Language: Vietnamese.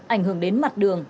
ảnh hưởng đến mặt đường